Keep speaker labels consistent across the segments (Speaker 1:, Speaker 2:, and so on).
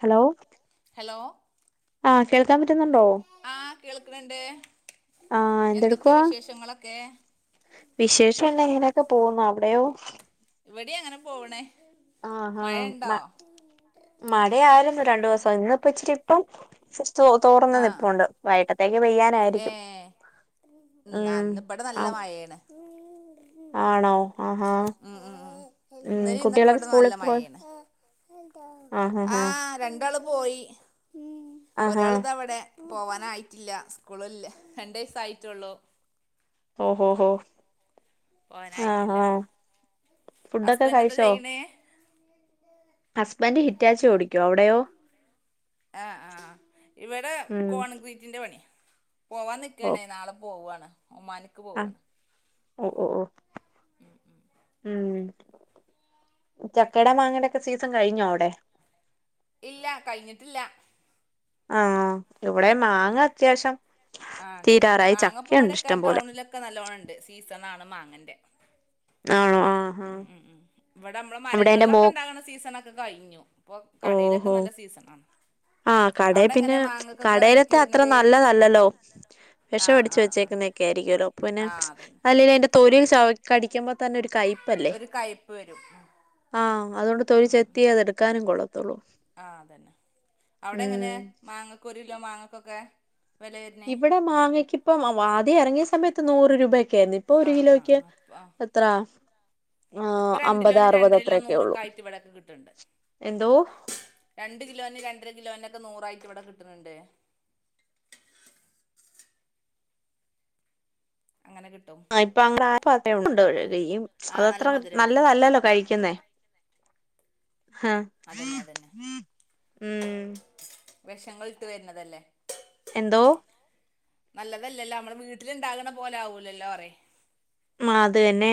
Speaker 1: Hello
Speaker 2: hello
Speaker 1: ആഹ് കേൾക്കാൻ പറ്റുന്നുണ്ടോ
Speaker 2: കേൾക്ക്ണുണ്ട്
Speaker 1: ആഹ് എന്തെടുക്കുവാ വിശേഷം ഇങ്ങനെയൊക്കെ പോകുന്നു അവിടെയോ
Speaker 2: ഇവിടെയങ്ങനെ പോവ്ണ്
Speaker 1: ആഹാ മ മഴയായിരുന്നു രണ്ടുദിവസം ഇന്ന് പ്പ ഇച്ചിരിപ്പം തോർന്ന്
Speaker 2: ആഹ് ആഹ്
Speaker 1: നിപ്പുണ്ട് വൈകട്ടത്തേക്ക് പെയ്യാനായിരിക്കും
Speaker 2: ഉം അന്നാ ഇബടെ നല്ല
Speaker 1: ആഹ്
Speaker 2: മഴയാണ്
Speaker 1: ആണോ ആഹാ
Speaker 2: ഉം ഉം
Speaker 1: ഉം
Speaker 2: ഇന്നലെ ഇന്നൊക്കെ
Speaker 1: കുട്ടികളൊക്കെ
Speaker 2: ഇവിടെ നല്ല
Speaker 1: സ്കൂള്ക്ക് പോ
Speaker 2: മഴയാണ്
Speaker 1: ആ-ഹ-ഹാ
Speaker 2: ആഹ് പോയി ഉം ഒരാളിതാവിടെ പോവാനായിട്ടില്ല സ്കൂളില്ല രണ്ട്വയസ്സായിട്ടുള്ളൂ
Speaker 1: ഓഹോ ഹോ ആഹ്
Speaker 2: പോവാനായിട്ടില്ല
Speaker 1: ആഹ് ഫുഡൊക്കെ
Speaker 2: ഹസ്ബന്റെന്താ ചെയ്യ്ണ്
Speaker 1: ഹസ്ബന്റ് ഹിറ്റാച്ചി ഓടിക്കുവാ അവിടെയോ
Speaker 2: ആ ആ ഇവടെ
Speaker 1: ഉം
Speaker 2: കോൺക്രീറ്റിന്റെ പണിയാ പോവാൻ നിക്ക് ആണേ നാളെ പോവാണ് ഒമാന്ക്ക്
Speaker 1: ആ
Speaker 2: പോവാണ്
Speaker 1: ഓ ഓ ഓ ഉം ചക്കേടെം മാങ്ങേടെയൊക്കെ സീസൺ കഴിഞ്ഞോ അവിടെ
Speaker 2: ഇല്ല കഴിഞ്ഞിട്ടില്ല
Speaker 1: ആ ഇവിടെ മാങ്ങ അത്യാവശ്യം
Speaker 2: ആ ഇണ്ട്
Speaker 1: തീരാറായി
Speaker 2: മാങ്ങ ഇപ്പം
Speaker 1: ചക്കയുണ്ട്
Speaker 2: ഇവിടൊക്കെ
Speaker 1: ഇഷ്ടം പോലെ
Speaker 2: ടൗണിലൊക്കെ നല്ലോണം ഇണ്ട് സീസൺ ആണ് മാങ്ങേന്റെ
Speaker 1: ആണോ ആ ആ
Speaker 2: ഇവിടെ മ്മള് മരങ്ങളിലൊക്കെ ഇണ്ടാകുന്ന സീസണൊക്കെ കഴിഞ്ഞു ഇപ്പൊ കടയിലൊക്കെ നല്ല സീസൺ ആണ്
Speaker 1: ആ കടേ പിന്നെ
Speaker 2: റേറ്റ്
Speaker 1: കടേലത്തെ അത്ര
Speaker 2: വരുന്നത്
Speaker 1: നല്ലതല്ലല്ലോ വെഷം
Speaker 2: ആഹ്
Speaker 1: അടിച്ച്
Speaker 2: ആഹ് ആഹ്
Speaker 1: വെച്ചേക്കു ക്കെ ആയിരിക്കുവല്ലോ അപ്പൊ പിന്നെ
Speaker 2: ആഹ് അതന്നെ
Speaker 1: അല്ലെലും അയിന്റെ തൊലി ചവ കടിക്കുമ്പോ തന്നെ ഒരു കൈപ്പല്ലേ
Speaker 2: ഒരു കയ്പ്പ് വരും
Speaker 1: ആ അതുകൊണ്ട് തൊലി ചെത്തിയേ അതെടുക്കാനും കൊള്ളൂ
Speaker 2: ആ അതന്നെ അവിടെ
Speaker 1: ഉം
Speaker 2: എങ്ങനെയാ മാങ്ങക്ക് ഒരു കിലോ മാങ്ങക്കൊക്കെ വില വരുന്നേ
Speaker 1: ഇവിടെ മാങ്ങക്കിപ്പം ആ ആദ്യം എറങ്ങിയ സമയത്ത് നൂറ് രൂപയ ക്കെ ആരുന്നു ഇപ്പൊ ഒരു
Speaker 2: ആഹ് ആഹ്
Speaker 1: കിലോയ്ക്ക്
Speaker 2: ആഹ് അപ്പ ആഹ്
Speaker 1: എത്രാ
Speaker 2: ഇപ്പൊ രണ്ടിലോനും രണ്ടരിലോ നൂറൊക്കെ
Speaker 1: ഉള്ളൂ
Speaker 2: ആയിട്ട് ഇവിടൊക്കെ കിട്ടണുണ്ട്
Speaker 1: എന്തോ
Speaker 2: രണ്ടു കിലോന് രണ്ടര കിലോന്റെ ക്കെ നൂറായിട്ട് ഇവിടെ കിട്ടുന്നുണ്ട് കിട്ടും
Speaker 1: ആ ഇപ്പം അങ്ങെ
Speaker 2: ആഹ്
Speaker 1: ആണ്ട്ഴുകയും [unintelligible]
Speaker 2: ആഹ്
Speaker 1: അതത്ര
Speaker 2: നല്ല മധുരണ്ട്
Speaker 1: നല്ലതല്ലല്ലോ കഴിക്കുന്നേ ആ
Speaker 2: അതന്നെ അതന്നെ
Speaker 1: ഉം
Speaker 2: വെഷങ്ങളിട്ട് വരുന്നതല്ലേ
Speaker 1: എന്തോ
Speaker 2: നല്ലതല്ലല്ലോ മ്മള് വീട്ടിലിണ്ടാകണ പോലെ ആവൂലല്ലോ പറയ്
Speaker 1: ആ അത് തന്നെ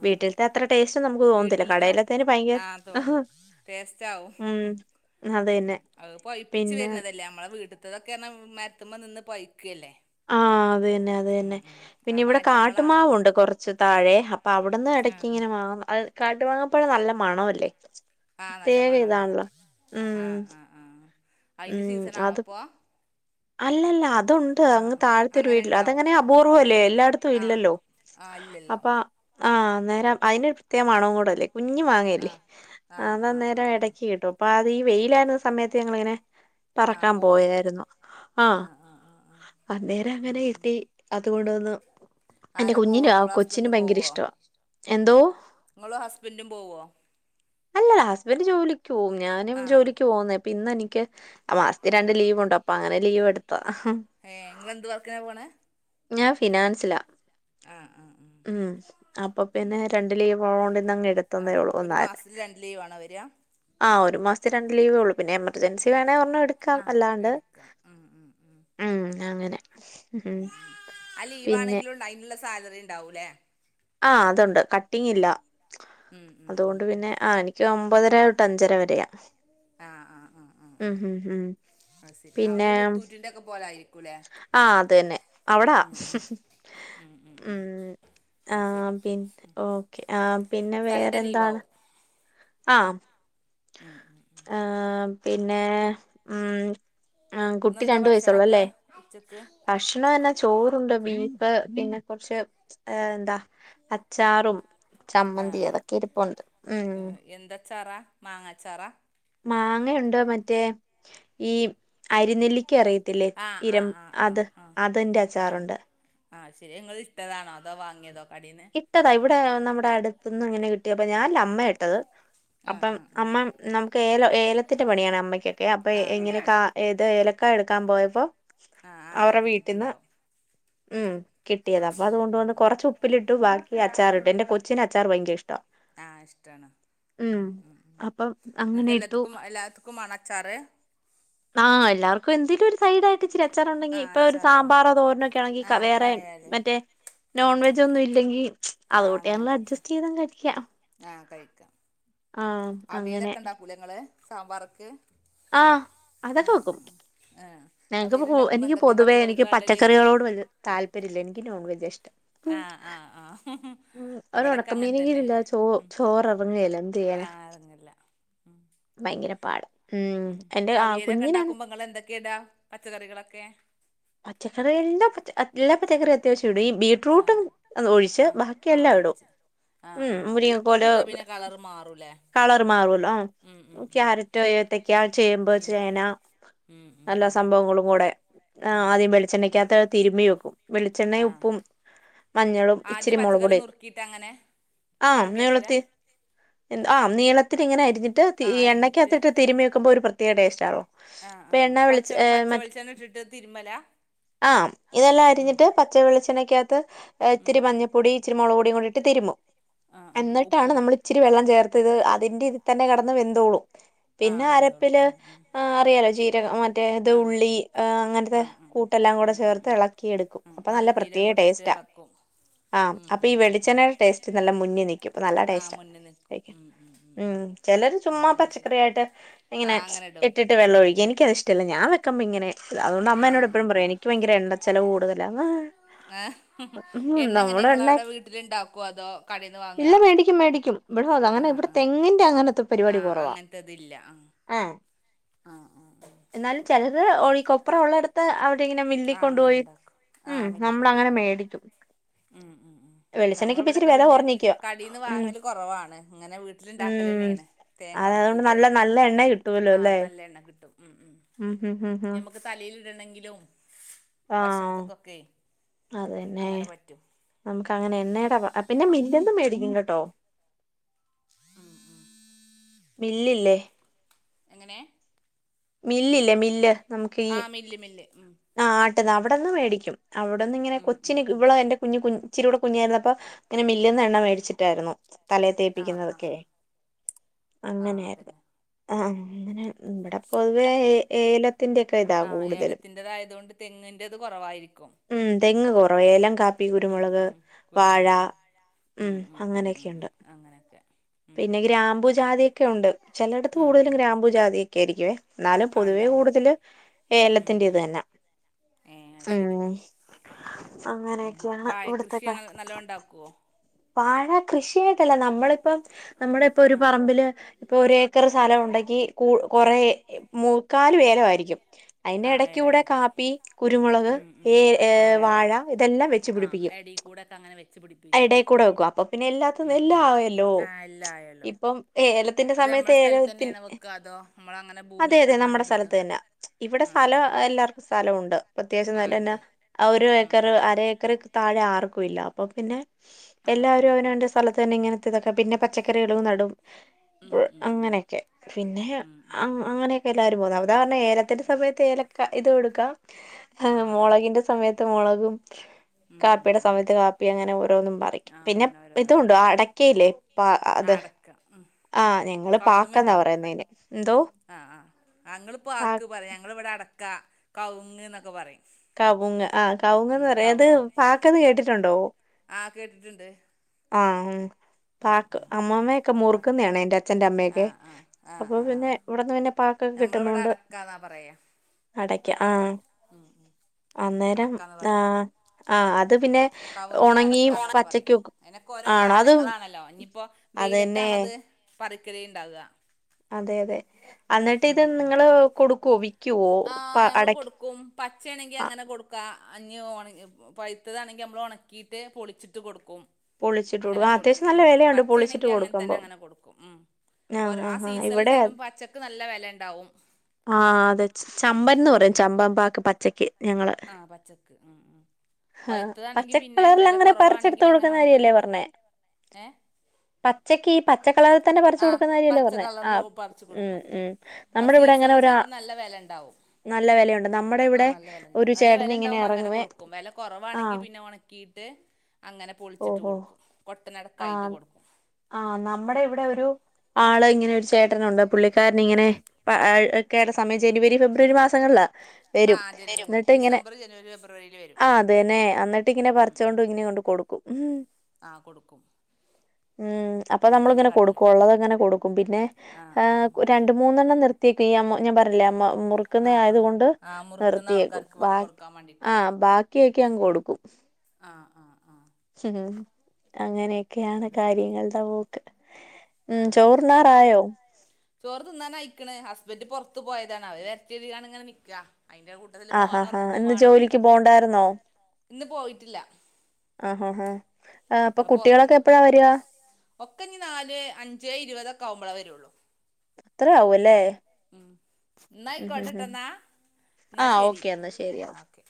Speaker 2: ഉം ഉം
Speaker 1: വീട്ടിലത്തെ അത്ര ടേസ്റ്റ് നമുക്ക് തോന്നത്തില്ല
Speaker 2: വീട്ടിൽത്തെ
Speaker 1: കടയിലത്തേന് ഭയങ്കര
Speaker 2: ആഹ് തോ
Speaker 1: ഉം അത്
Speaker 2: ഉം
Speaker 1: തന്നെ
Speaker 2: അത് പയിപ്പിച്ച്
Speaker 1: പിന്നെ
Speaker 2: വരുന്നതല്ലേ മ്മളെ വീട്ടിത്തെതൊക്കെയാണേൽ മരത്തുമ്മേ നിന്ന് പയ്
Speaker 1: അതുതന്നെ അത് തന്നെ
Speaker 2: ഉം ആ
Speaker 1: പിന്നെ ഇവിടെ
Speaker 2: മാറ്റങ്ങളാണ്
Speaker 1: കാട്ടുമാവൊണ്ട് കൊറച്ച് താഴെയെ അപ്പൊ അവിടുന്ന്
Speaker 2: ആഹ് ആഹ്
Speaker 1: എടക്കിങ്ങനെ മാ ആ അത് കാട്ട് മാങ്ങാപ്പഴം നല്ല മണല്ലേ
Speaker 2: ആ നല്ല മണാണ്
Speaker 1: ഉം
Speaker 2: ആ ആ ആ അയിന്റെ
Speaker 1: ഉം
Speaker 2: സീസണാണോ
Speaker 1: അത്
Speaker 2: ഇപ്പോ
Speaker 1: അല്ലല്ല അതുണ്ട്
Speaker 2: ആ
Speaker 1: അങ്ങ് താഴത്തൊരു
Speaker 2: അങ്ങനെ
Speaker 1: വീട്ടില്
Speaker 2: ഇണ്ടാവും
Speaker 1: അതങ്ങനെ അപൂർവ്വവല്ലേ എല്ലാടത്തും
Speaker 2: ആ
Speaker 1: ഇല്ലല്ലോ
Speaker 2: ആ ഇല്ലല്ലോ
Speaker 1: ആ അന്നേരം അയിനൊരു പ്രത്യേക മണോം കൂടെല്ലേ കുഞ്ഞ്
Speaker 2: ആ
Speaker 1: മാങ്ങയല്ലേ
Speaker 2: ആ ആ ആ
Speaker 1: അതന്നേരം
Speaker 2: ആ
Speaker 1: എടക്കിടും അപ്പം അത് ഈ വെയിലാരുന്ന സമേത്ത് ഞങ്ങളിങ്ങനെ
Speaker 2: ആ
Speaker 1: പെറക്കാൻ
Speaker 2: പോവും
Speaker 1: പോയാരുന്നു ആ അന്നേരങ്ങനെ
Speaker 2: ഉം
Speaker 1: കിട്ടി അതുകൊണ്ടുവന്ന് എന്റെ കുഞ്ഞിന്റെ ആ കൊച്ചിന് ഭയങ്കര ഇഷ്ടവാ എന്തോ
Speaker 2: നിങ്ങളും ഹസ്ബന്റും പോവ്വോ
Speaker 1: അല്ല ഹസ്ബന്റ് ജോലിക്ക് പോവും ഞാനും
Speaker 2: ആ
Speaker 1: ജോലിക്ക് പോവുന്നെയാ അപ്പം ഇന്നെനി ക്ക് ആ മാസത്തി രണ്ട് ലീവ് ഒണ്ട് അപ്പൊ അങ്ങനെ ലീവെടുത്താ
Speaker 2: ഏ നിങ്ങളെന്ത് വർക്കിനാ പോണേ
Speaker 1: ഞാൻ ഫിനാൻസിലാ
Speaker 2: ആ
Speaker 1: ഉം അപ്പൊ പിന്നെ രണ്ട് ലീവൊള്ളോണ്ട് ഇന്നങ്ങ് എടുത്തന്നേ ഒള്ളൂ ഒന്നാമത്തെ
Speaker 2: ണോ വരിയ
Speaker 1: ആ ഒരു മാസത്തി രണ്ട് ലീവേ ഒള്ളു പിന്നെ എമർജൻസി വേണേ ഒരെണ്ണം എടുക്കാം
Speaker 2: ആ
Speaker 1: അല്ലാണ്ട്
Speaker 2: എടുക്കാം ഉം ഉം
Speaker 1: ഉം അങ്ങനെ ഉം
Speaker 2: അയ്
Speaker 1: പിന്നെ
Speaker 2: ലീവാണെങ്കിലും ഉണ്ട് അയിനുള്ള സാലറി ഉണ്ടാവൂല്ലേ
Speaker 1: ആ അതുണ്ട് കട്ടിങ് ഇല്ല
Speaker 2: ഉം ഉം ഉം
Speaker 1: അതുകൊണ്ട്
Speaker 2: ഉം
Speaker 1: പിന്നെ ആ എനിക്ക് ഒമ്പതര തൊട്ട് അഞ്ചര വരെയ
Speaker 2: ആ ആ ആഹ് ആ ആ ശരി ആ ഈ മുത്തൂറ്റിന്റെ ഒക്കെ പോലൊയായിരിക്കും
Speaker 1: ആ അത് തന്നെ അവിടാ
Speaker 2: ഉം
Speaker 1: ഉം ആ
Speaker 2: അത് ശരി
Speaker 1: പിന്നെ ഓക്കെ ആ പിന്നെ
Speaker 2: സൺഡേ
Speaker 1: വേറെന്താണ്
Speaker 2: ലീവാവും
Speaker 1: ആ
Speaker 2: ഉം ഉം
Speaker 1: ആ പിന്നെ ഉം ആ കുട്ടി
Speaker 2: ഇന്നെന്താ
Speaker 1: രണ്ടു
Speaker 2: ഭക്ഷണമൊക്കെ
Speaker 1: വയസ്സള്ളോല്ലേ
Speaker 2: ഉച്ചക്ക്
Speaker 1: ഭക്ഷണം എന്ന ചോറുണ്ട് ബീഫ് പിന്നെ കുറച്ച് എന്താ അച്ചാറും
Speaker 2: ആ
Speaker 1: ചമ്മന്തി അതൊക്കെ ഇരിപ്പുണ്ട് ഉം
Speaker 2: അച്ചാറാ മാങ്ങച്ചാറാ
Speaker 1: മാങ്ങയുണ്ട് മറ്റേ ഈ അരിനെല്ലി ക്ക അറിയത്തില്ലേ
Speaker 2: ആ ആ
Speaker 1: ഇരം
Speaker 2: ആ ആ
Speaker 1: അത്
Speaker 2: ആ
Speaker 1: അതിന്റെ
Speaker 2: ആ
Speaker 1: അച്ചാറുണ്ട്
Speaker 2: ആ ശരി നിങ്ങൾ ഇഷ്ടതാണോ അതോ വാങ്ങിയതോ കടീന്ന്
Speaker 1: ഇട്ടതാ ഇവിടെ നമ്മുടെ അടുത്തന്ന് ഇങ്ങനെ കിട്ടിയപ്പൊ ഞാനല്ല അമ്മയാ ഇട്ടത്
Speaker 2: ആ
Speaker 1: അപ്പം
Speaker 2: ആ ആ
Speaker 1: അമ്മ നമുക്ക് ഏല ഏലത്തിന്റെ പണിയാണ് അമ്മയ്ക്കൊക്കെ അപ്പൊ
Speaker 2: ആ ആ ആ
Speaker 1: എങ്ങനെക്ക ഏത് ഏല ക്ക എടുക്കാൻ പോയപ്പോ
Speaker 2: ആ അങ്ങനെ
Speaker 1: അവരെ വീട്ടിന്ന്
Speaker 2: കിട്ടിയിട്ടുണ്ടാവും
Speaker 1: ഉം കിട്ടിയത
Speaker 2: ഉം
Speaker 1: അപ്പൊ
Speaker 2: ഉം ഉം
Speaker 1: അതുകൊണ്ടുവന്ന് കൊറച്ച് ഉപ്പ് ബാക്കി അച്ചാറിട്ട് എന്റെ കൊച്ചിന് അച്ചാർ ഭയങ്കര ഇഷ്ട
Speaker 2: ആ ഇഷ്ടാണ്
Speaker 1: ഉം അപ്പൊ അങ്ങനെയിട്ടു
Speaker 2: എല്ലാത്തിക്കും എല്ലാത്തിക്കും വേണം അച്ചാറ്
Speaker 1: ആ എല്ലാവർക്കും എന്തെലും ഒരു സൈഡ്‌ ആയിട്ട് ഇച്ചിരി അച്ചാറുണ്ടെങ്കിൽ
Speaker 2: ആഹ്
Speaker 1: ഇപ്പൊ ഒരു
Speaker 2: അച്ചാറ് വാങ്ങും
Speaker 1: സാമ്പാറോ തോരനൊക്കെ ആണെങ്കിൽ
Speaker 2: ആഹ്
Speaker 1: വേറെ
Speaker 2: കായാല്
Speaker 1: മറ്റേ
Speaker 2: ഉം
Speaker 1: നോൺവെജ് ഒന്നും ഇല്ലെങ്കി അതുകൂട്ടി അഡ്ജസ്റ്റ് ചെയ്ത് കഴിക്ക
Speaker 2: ആ കഴിക്കാം
Speaker 1: അങ്ങനെ
Speaker 2: അവിയലൊക്കെണ്ടാക്കൂലേ നിങ്ങള് സാമ്പാർക്ക്
Speaker 1: ആ അതൊക്കെ വെക്കും
Speaker 2: ആഹ് അവിയല്
Speaker 1: ഞങ്ങക്കിപ്പോ
Speaker 2: ഇണ്ടാക്കുമ്പോ
Speaker 1: എനിക്ക്
Speaker 2: എന്തൊക്കെ
Speaker 1: പൊതുവേ എനിക്ക്
Speaker 2: പച്ചക്കറികളാ ഇടല്
Speaker 1: പച്ചക്കറികളോട് താല്പര്യല്ല എനിക്ക് നോൺ വെജ് ഇഷ്ടം
Speaker 2: ആഹ് ആഹ് ആഹ്
Speaker 1: ഉം ഒരു
Speaker 2: ഇവിടൊക്കെ
Speaker 1: ഒണക്ക
Speaker 2: അങ്ങനെ
Speaker 1: മീനെങ്കിലും
Speaker 2: തന്നെ
Speaker 1: ഇല്ല ചോർ ഏറങ്ങേല എന്തെയ്യാനാ
Speaker 2: ആഹ് എറങ്ങില്ല
Speaker 1: ഭയങ്കര പാട
Speaker 2: ഉം അവിയലൊക്കെ ഇണ്ടാക്കുമ്പോ നിങ്ങൾ എന്തൊക്കെയ ഇടാ പച്ചക്കറികളൊക്കെ
Speaker 1: പച്ചക്കറി എല്ലാ എല്ലാ പച്ചക്കറി അത്യാവശ്യം ടും ഈ
Speaker 2: ആഹ്
Speaker 1: ബീട്റൂട്ടും
Speaker 2: ഇടും
Speaker 1: ഒഴിച്ച്
Speaker 2: ആഹ് ആഹ്
Speaker 1: ബാക്കിയെല്ലാം ഇടും
Speaker 2: ഒഴിച്ച് ആഹ്
Speaker 1: ഉം
Speaker 2: ആഹ്
Speaker 1: മുരിങ്ങ
Speaker 2: ബീറ്റ്റൂട്ട്
Speaker 1: കോല്
Speaker 2: ഇട്ടാ പിന്നെ കളറ് മാറൂലേ
Speaker 1: കളർ മാറൂല്ലോ
Speaker 2: ഉം ഉം ഉം
Speaker 1: ക്യാരറ്റ് ഏത്തക്ക ചേമ്പ് ചേന
Speaker 2: ഉം ഉം
Speaker 1: എല്ലാ
Speaker 2: ഉം
Speaker 1: സംഭവങ്ങളും കൂടെ ആ
Speaker 2: ഉം
Speaker 1: ആദ്യം
Speaker 2: ഇട്ടിട്ട്
Speaker 1: വെളിച്ചെണ്ണയ്ക്കകത്ത് തിരുമ്പി വെക്കും വെളിച്ചെണ്ണ
Speaker 2: ആഹ്
Speaker 1: ഉപ്പും മഞ്ഞളും
Speaker 2: ആദ്യം
Speaker 1: ഇച്ചിരി
Speaker 2: പച്ചക്കറി
Speaker 1: മുളക്പൊടി
Speaker 2: നുറുക്കിയിട്ട് അങ്ങനെ
Speaker 1: ആ
Speaker 2: തിരുമ്പി വെക്കലാ
Speaker 1: നീളത്തി ആ നീളത്തി ത്തിരി ഇങ്ങനെ അരിഞ്ഞട്ട്
Speaker 2: ആഹ്
Speaker 1: ഈ
Speaker 2: അരിഞ്ഞിട്ട്
Speaker 1: എണ്ണക്കകത്തിട്ട് തിരുമ്മി വെക്കുമ്പോ ഒരു പ്രത്യേക ടേസ്റ്റ് ആണല്ലോ
Speaker 2: ആ ആ പച്ച പച്ച വെളിച്ചണ്ണ ഇട്ടിട്ട് തിരുമി
Speaker 1: ആ ഇതെല്ലാം അരിഞ്ഞിട്ട് പച്ച വെളിച്ചെണ്ണക്ക
Speaker 2: ഉം
Speaker 1: ഇത്തിരി മഞ്ഞപ്പൊടി ഇച്ചിരി മുളക് പൊടിയും കൊണ്ടിട്ട് തിരുമും
Speaker 2: ആഹ് ആഹ്
Speaker 1: എന്നിട്ടാണ്
Speaker 2: ഉപ്പും
Speaker 1: നമ്മള് ഇച്ചിരി വെള്ളം ചേർത്ത് അതിന്റെ ഇതി തന്നെ കിടന്ന് വെന്തോളും പിന്നെ
Speaker 2: ആഹ് വെന്തോളും
Speaker 1: അരപ്പില്
Speaker 2: ഉം ഉം
Speaker 1: അറിയാലോ മറ്റേ ഇത്
Speaker 2: ആഹ്
Speaker 1: ഉള്ളി അങ്ങനത്തെ
Speaker 2: ആഹ് ആഹ്
Speaker 1: കൂട്ടെല്ലാം കൂടെ
Speaker 2: ഉം ഉം
Speaker 1: ചേർത്ത്
Speaker 2: ഉം
Speaker 1: ഇളക്കി എടുക്കും
Speaker 2: ഉം
Speaker 1: അപ്പൊ നല്ല പ്രത്യേക
Speaker 2: ജീരകം ഇട്ടിട്ട്
Speaker 1: ടേസ്റ്റാ
Speaker 2: എളക്കും
Speaker 1: ആ
Speaker 2: ഉം
Speaker 1: അപ്പൊ ഈ
Speaker 2: ഉം ഉം ഉം
Speaker 1: വെളിച്ചെണ്ണയുടെ ടേസ്റ്റ് നല്ല മുന്നി നിക്കും അപ്പ നല്ല
Speaker 2: ആഹ്
Speaker 1: ടേസ്റ്റ്
Speaker 2: മുന്നേ നിൽക്കും ഉം
Speaker 1: ഉം ചിലര്
Speaker 2: ആഹ്
Speaker 1: ചുമ്മാ
Speaker 2: അത് ശരി
Speaker 1: പച്ചക്കറിയായിട്ട് ഇങ്ങനെ
Speaker 2: ആഹ് അങ്ങനെ ഇടും
Speaker 1: ഇട്ടിട്ട് വെള്ളം
Speaker 2: ഉം
Speaker 1: ഒഴിക്കും
Speaker 2: ഉം
Speaker 1: എനിക്കത് ഇഷ്ടല്ല ഞാൻ ഇങ്ങനെ അതുകൊണ്ട് അമ്മ
Speaker 2: ആഹ്
Speaker 1: എന്നോട് എപ്പഴും
Speaker 2: ആഹ്
Speaker 1: പറയും എനിക്ക് ഭയങ്കര എണ്ണ ചെലവ് കൂടുതലാന്ന്
Speaker 2: ആ എണ്ണ എങ്ങനെ
Speaker 1: ഉണ്ടാ
Speaker 2: ഇങ്ങളവിടെ വീട്ടില് ഇണ്ടാക്കോ അതോ കടയിൽന്ന് വാങ്ങ
Speaker 1: ഇല്ല മേടിക്കും മേടിക്കും ഇവിടെ [unintelligible] അങ്ങനെ ഇടെ തെങ്ങിന്റെ അങ്ങനത്തെ പരിപാടി
Speaker 2: ആഹ്
Speaker 1: കുറവാ
Speaker 2: അങ്ങനത്തെതില്ല
Speaker 1: ആഹ്
Speaker 2: ആഹ് ആഹ് ആഹ്
Speaker 1: എന്നാലും ച അത് ഓ ക്കൊപ്പ്രം ഉള്ള അടുത്ത് അ എങ്ങനെ മില്ലിക്
Speaker 2: ആഹ് അങ്ങനെ
Speaker 1: കൊണ്ടുപോയി
Speaker 2: ഉണ്ടാക്കും
Speaker 1: ഉം
Speaker 2: ആഹ് മില്ലിൽ
Speaker 1: നമ്മളങ്ങനെ
Speaker 2: കൊണ്ടോയ്ക്കാണ്ട്
Speaker 1: മേടിക്കും.
Speaker 2: ഉം ഉം ഉ നമ്മള
Speaker 1: വെളിച്ചെണ്ണക്ക് ഇപ്പ ഇച്ചിരി
Speaker 2: ഇവിടെൊക്കെ
Speaker 1: വെല
Speaker 2: പിന്നെ
Speaker 1: കൊറഞ്ഞിക്കുവാ
Speaker 2: കടീന്ന്
Speaker 1: ഉം
Speaker 2: വാങ്ങല് കുറവാണ് ഇങ്ങനെ വീട്ട് ൽണ്ടാക്കല്
Speaker 1: ഉം
Speaker 2: [unintelligible]
Speaker 1: അത് അതുകൊണ്ട്
Speaker 2: ഉണക്കിട്ട്
Speaker 1: നല്ല നല്ല എണ്ണ കിട്ടുവല്ലോ
Speaker 2: ആ
Speaker 1: അല്ലേ
Speaker 2: നല്ല എണ്ണ കിട്ടും ഉം ഉം
Speaker 1: ഉം ഹം ഹം ഹ
Speaker 2: [unintelligible] ങ്കിലും ഭക്ഷണത്ത് ക്കൊക്കെ
Speaker 1: അതന്നെ നമുക്ക് അങ്ങനെ എണ്ണേടെ [inaudible] പിന്നെ പിന്നെന്തും മേടിക്കും കേട്ടോ മില്ലില്ലേ
Speaker 2: എങ്ങനെ
Speaker 1: മില്ലില്ലെ മില്ല്
Speaker 2: ആഹ് മില്ല് മില്ല്
Speaker 1: അവടെന്ന് മേടിക്കും അവടന്ന് ഇങ്ങനെ
Speaker 2: ഉം ഉം
Speaker 1: കൊച്ചിന്
Speaker 2: ഉം
Speaker 1: ഇവളോ എന്റെ കുഞ്ഞി കു ഇച്ചിരി കൂടെ കുഞ്ഞായിരിന്നപ്പോ ഇങ്ങനെ മില്ല്ന്ന് എണ്ണ മേടിച്ചിട്ടായിരുന്നു തല
Speaker 2: ആഹ് ആഹ്
Speaker 1: തേപ്പിക്കുന്നതൊക്കെ
Speaker 2: ആഹ് ആഹ്
Speaker 1: അങ്ങനെയായിരുന്നു
Speaker 2: അതന്നെ
Speaker 1: ആ അങ്ങനെ ഇവി പൊതുവേ ഏ ഏലത്തിന്റെക്കെ ഇതാ
Speaker 2: ആ
Speaker 1: കൂടുതലും
Speaker 2: ഏലത്തിന്റേതായതുകൊണ്ട് തെങ്ങിന്റേത് കുറവായിരിക്കും
Speaker 1: ഉം തെങ്ങ് കുറവ ഏലം കാപ്പി
Speaker 2: ഉം
Speaker 1: കുരുമുളക്
Speaker 2: ഉം
Speaker 1: വാഴ
Speaker 2: കുരുമുളക്
Speaker 1: ഉം
Speaker 2: ഉം ഉം ഉം
Speaker 1: അങ്ങനെയൊക്കെയുണ്ട്
Speaker 2: അങ്ങനെയൊക്കെ ഉം
Speaker 1: പിന്നെ ഗ്രാമ്പൂ ജാതിയൊക്കെ ഉണ്ട് ചിലടത്ത്
Speaker 2: ഉം
Speaker 1: കൂടു കൂടുതലും
Speaker 2: ഉം
Speaker 1: ഗ്രാമ്പു ജാതിയക്കെ ആയിരിക്കുവേ എന്നാലും
Speaker 2: ആ
Speaker 1: പൊതുവേ
Speaker 2: ഉണ്ടാവുക
Speaker 1: കൂടുതൽ കേ
Speaker 2: ഉം
Speaker 1: ഏലത്തിന്റെത്
Speaker 2: ഉം
Speaker 1: തന്ന്യാ.
Speaker 2: ഏ അത് ശരി
Speaker 1: [unintelligible]
Speaker 2: ഉം
Speaker 1: അങ്ങനെയൊക്കെയാണ്
Speaker 2: വാഴ
Speaker 1: ഇവിടത്തെ
Speaker 2: കൃഷി
Speaker 1: [inaudible]
Speaker 2: നല്ലോണം ഉണ്ടാക്കുവോ
Speaker 1: കൃഷിയായിട്ടല്ല നമ്മളിപ്പ നമ്മള ഇപ്പൊ ഒരു
Speaker 2: ആ
Speaker 1: പറമ്പില് ഇപ്പൊ ഒരു ഏക്കർ സ്ഥലം ഉണ്ടെങ്കി കു കൊറ മുക്കാൽ വേലവായിരിക്കും. അതിന്റെ
Speaker 2: ആ
Speaker 1: ഇടയ്ക്ക കൂടെ
Speaker 2: ഏലായിരിക്കും
Speaker 1: കാപ്പി കുരുമുളക്
Speaker 2: ഉം ഉം
Speaker 1: ഏ ഏ വാഴ ഇതെല്ലാം വെച്ചു പിടിപ്പിക്കും.
Speaker 2: എടി കൂടെക്കെ അങ്ങനെ വെച്ച് പിടിപ്പിക്കും
Speaker 1: എടേ കൂടെ വെക്കും അപ്പൊ പിന്നെ
Speaker 2: ഉ
Speaker 1: എല്ലാത്തിന്നും
Speaker 2: ഉ
Speaker 1: എല്ലാം ആയല്ലോ
Speaker 2: ആ എല്ല ആയല്ലോ.
Speaker 1: ഇപ്പം ഏലത്തിന്റെ
Speaker 2: അതെ നമ്മെ
Speaker 1: സമയത്ത്
Speaker 2: സ്ഥലത്ത്
Speaker 1: ഏലത്തി
Speaker 2: തന്നെയാണ് വെക്കാ അതോ നമ്മള അങ്ങനെ
Speaker 1: അതെ അതെ നമ്മുടെ സ്ഥലത്ത് തന്നെ ഇവിടെ
Speaker 2: ആഹ്
Speaker 1: സ്ഥല
Speaker 2: ആഹ്
Speaker 1: എല്ലാവർക്കും സ്ഥലമുണ്ട്. അത്യാവശ്യം
Speaker 2: ആഹ് ആഹ്
Speaker 1: നല്ലന്ന
Speaker 2: ഇണ്ട്
Speaker 1: ഒരു
Speaker 2: ആഹ്
Speaker 1: ഏക്കർ
Speaker 2: ആഹ്
Speaker 1: അര ഏക്കർ താഴെ ആർക്കും ഇല്ല അപ്പൊ പിന്നെ [inaudible]
Speaker 2: ആഹ് ഉം
Speaker 1: എല്ലാവരും
Speaker 2: ഉം
Speaker 1: അവനവന്റെ സ്ഥലത്ത് തന്നെ ഇങ്ങനത്തെ തൊക്കെ പിന്നെ പച്ചക്കറികളും നടും.
Speaker 2: ഉം ഉം
Speaker 1: അങ്ങനെയൊക്കെ പിന്നെ
Speaker 2: ഉം ഉം ഉം
Speaker 1: [inaudible] അങ്ങനെയൊക്കെ എല്ലാവും പോവുന്നു [unintelligible] ഏലത്തിന്റെ സയത്ത് ഏലക്കെ ഇതുമെടുകാം ആ
Speaker 2: ആഹ് അതന്നെ
Speaker 1: മുളകിന്റെ
Speaker 2: ഒരു
Speaker 1: സമയത്ത് മുളകും
Speaker 2: ഉം ഉം
Speaker 1: കാപ്പിയുടെ
Speaker 2: ഉം
Speaker 1: സമയത്ത് കാപ്പി അങ്ങനെ ഓരോന്നും പറിക്കും.
Speaker 2: ആഹ്
Speaker 1: പിന്നെ
Speaker 2: അങ്ങനെ
Speaker 1: ഇതൂണ്ട് അടക്കയില്ലേ പ
Speaker 2: ആ അടക്ക ഉം
Speaker 1: ആഹ ഞങ്ങള് പാക്കെന്നാ പറയുന്ന തിന് എന്തോ
Speaker 2: ഞങ്ങൾ
Speaker 1: പാ
Speaker 2: പാക്ക് പറ [unintelligible] ഞങ്ങളിവടെ അടക്കാ കവങ്ങ് ന്നൊക്കെ പറയും.
Speaker 1: കവുങ്ങ് ആ കവുങ്ങ് എന്ന്
Speaker 2: ഉം
Speaker 1: പറയാ അത്
Speaker 2: കവുങ്ങ്
Speaker 1: പാക്കന്ന് കേട്ടിട്ടുണ്ടോ?
Speaker 2: ആഹ് കേട്ടിട്ടുണ്ട്.
Speaker 1: ആഹ്
Speaker 2: ഉം
Speaker 1: പാക്ക്
Speaker 2: ഉം
Speaker 1: അമ്മമ്മയൊക്കെ
Speaker 2: പാക്ക്
Speaker 1: മുറുക്കുന്ന ആണ് എന്റെ അച്ഛന്റെ അമ്മയൊക്കെ
Speaker 2: ആഹ് ആഹ് ആഹ്
Speaker 1: അപ്പൊ
Speaker 2: ആഹ് ആഹ്
Speaker 1: പിന്നെ ഇവിടന്ന് പിന്നെ പാക്കൊക്കെ
Speaker 2: ഞമ്മളിവിടെ
Speaker 1: കിട്ടുന്നുണ്ട്
Speaker 2: അടക്കാന്നാ
Speaker 1: ആഹ്
Speaker 2: ഉം ഉം
Speaker 1: അന്നേരം ആ ആ അത് പിന്നെ
Speaker 2: കവുങ്ങ്
Speaker 1: ഉണങ്ങിയും
Speaker 2: അടക്കാന്നൊക്കെ പറയും
Speaker 1: പച്ചക്കൊക്കും
Speaker 2: അതിനൊക്കെ ഓരോ കാലങ്ങളാണല്ലോ ഇനിയിപ്പോ
Speaker 1: അതന്നെ
Speaker 2: വെയിലത്താണത് പറിക്കല് ഇണ്ടാക
Speaker 1: അതെ അതെ അന്നിട്ട് ഇത് നിങ്ങള് കൊടുക്കോ വി
Speaker 2: ആഹ് ഞങ്ങള് കൊടുക്കും പച്ചയാണെങ്കി
Speaker 1: ആഹ്
Speaker 2: അങ്ങനെ കൊടുക്കാ അഞ്ഞ് ഉണങ്ങി പഴ്‌ത്തതാണെങ്കിൽ നമ്മൾ ഉണക്കിയിട്ട് പൊളിച്ചിട്ട് കൊടുക്കും.
Speaker 1: പൊളിച്ചിട്ട്
Speaker 2: അങ്ങനെ
Speaker 1: ആ, അത്യാവശ്യം
Speaker 2: കൊടുക്കും.
Speaker 1: നല്ല വെലയുണ്ട് പൊളിച്ചിട്ട്
Speaker 2: പച്ചയാണെങ്കി അങ്ങനെ തന്നെ
Speaker 1: കൊടുക്കുമ്പോ
Speaker 2: അങ്ങനെ കൊടുക്കും. ഉം. ഒ
Speaker 1: ആഹ്
Speaker 2: ആ
Speaker 1: ആഹ് ആഹ്
Speaker 2: സീസണില്
Speaker 1: ഇവിടെ
Speaker 2: ചിലപ്പം പച്ചക്ക് നല്ല വില ഉണ്ടാവും.
Speaker 1: ആഹ് അതെ ചമ്പൻന്ന് പറയും ചമ്പൻ പാക്ക് പച്ചക്ക
Speaker 2: ആ പച്ചക്ക് ആ ആ
Speaker 1: ആ പച്ചക്കളറിലങ്ങനെ പറിച്ചെടുത്തുകൊടുക്കുന്ന കാര്യല്ലേ പറഞ്ഞേ?
Speaker 2: ഏ?
Speaker 1: പച്ചക്ക് ഈ പച്ചക്കളറി തന്നെ പറി
Speaker 2: ആ പച്ച കളറില് പറിച്ചു കൊടുക്കുന്നത്.
Speaker 1: ഉം
Speaker 2: അത്
Speaker 1: നമ്മുടെ ഇവിടെ അങ്ങനെ
Speaker 2: സീസണില്
Speaker 1: ഒരു
Speaker 2: ചിലപ്പോ നല്ല വില ഉണ്ടാവും.
Speaker 1: നല്ല വിലയുണ്ട് നമ്മുടെ ഇവിടെ ഒരു
Speaker 2: നല്ല വില
Speaker 1: ചേട്ടന് ഇങ്ങനെ
Speaker 2: ഉണ്ടാകുമ്പോൾ അങ്ങനെ
Speaker 1: ഇറങ്ങുവേ
Speaker 2: കൊടുക്കും. വില കുറവാണെങ്കിൽ
Speaker 1: ആഹ്
Speaker 2: പിന്നെ ഉണക്കിയിട്ട് അങ്ങനെ പൊളിച്ചിട്ട് കൊടുക്കും.
Speaker 1: ആ
Speaker 2: കൊട്ടനടക്കായിട്ട് കൊടുക്കും
Speaker 1: ആ നമ്മുടെ ഇവിടെ ഒരു ആള് ഇങ്ങനെ ഒരു ചേട്ടനുണ്ട്. പുള്ളിക്കാരന് ഇങ്ങനെ കേട്ട സമയം ജനുവരി ഫെബ്രുവരി മാസങ്ങളിലാ.
Speaker 2: ആ
Speaker 1: വരും.
Speaker 2: ജനുവരി
Speaker 1: എന്നിട്ട് ഇങ്ങനെ
Speaker 2: ഡിസംബർ ജനുവരി ഫെബ്രുവരിയില് വരും
Speaker 1: ആ അതന്നെ എന്നിട്ട് ഇങ്ങനെ
Speaker 2: ഉം ഉം
Speaker 1: പറച്ചൊണ്ടും ഇങ്ങനെ കൊടുക്കും. ഉം.
Speaker 2: ആ കൊടുക്കും.
Speaker 1: ഉം. അപ്പൊ
Speaker 2: അങ്ങനെ
Speaker 1: നമ്മള
Speaker 2: തന്നെ
Speaker 1: ഇങ്ങനെ
Speaker 2: കാട്ടല്
Speaker 1: കൊടുക്കും. ഉള്ളത് ഇങ്ങനെ കൊടുക്കും. പിന്നെ
Speaker 2: ആ ആ
Speaker 1: രണ്ടു മൂന്നെണ്ണം നിർത്തിയേക്ക അമ്മ ഞാൻ പറഞ്ഞില്ലേ അമ്മ
Speaker 2: ആ ആ
Speaker 1: മുറുക്കുന്ന
Speaker 2: ആ
Speaker 1: ആയതുകൊണ്ട്
Speaker 2: ആ മുറുക്കുന്ന
Speaker 1: നിർത്തിയേക്കും.
Speaker 2: ആൾക്കാർക്ക് വെക്ക കൊടുക്കാൻ വേണ്ടിട്ട്
Speaker 1: ആ ബാക്കിയെക്കെ അങ്ങ് കൊടുക്കും.
Speaker 2: ആ ആ ആ
Speaker 1: ഉം അങ്ങനെയൊക്കെയാണ്
Speaker 2: അതന്നെ
Speaker 1: കാര്യങ്ങളുടെ പോക്ക്.
Speaker 2: ആ
Speaker 1: ഉം.
Speaker 2: അത് ശരി
Speaker 1: ചോറുണ്ണാറായോ?
Speaker 2: ചോറ് തിന്നാൻ അയിക്കണ്. ഹസ്ബന്റ് പുറത്ത് പോയതാണ് അവര് വരറ്റേന്ന് ഞാൻ ഇങ്ങനെ നിക്കുക. അയിന്റെ കൂട്ടത്തിൽ
Speaker 1: ആഹ്
Speaker 2: മോനേ
Speaker 1: ആഹ്
Speaker 2: ഉറക്കവും
Speaker 1: ഇന്ന്
Speaker 2: വേണം.
Speaker 1: ജോലിക്ക് പോണ്ടായിരുന്നോ
Speaker 2: ഇന്ന് പോയിട്ടില്ല.
Speaker 1: ആ ഹാ ഹാ ഹ അപ്പൊ കുട്ടികളൊക്കെ എപ്പഴാ വരിക?
Speaker 2: ഒക്ക ഇങ്ങ് നാല് അഞ്ച് ഇരുപതൊക്കെ ആവുമ്പോഴേ വരു ള്ളൂ.
Speaker 1: അത്ര ആവും അല്ലേ?
Speaker 2: എന്നാ
Speaker 1: ഉം ഉം ഉം
Speaker 2: ഇക്കോട്ടിട്ടന്നാ എന്നാ
Speaker 1: ആഹ്
Speaker 2: ശരി
Speaker 1: ഓക്കെ എന്നാ ശരി
Speaker 2: ഓക്കെ.